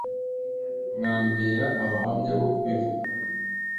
mwambera abahamya bo kubivuga